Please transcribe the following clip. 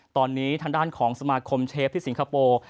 ตอนนี้ทางด้านของสมาคมเชฟที่สิงคโปร์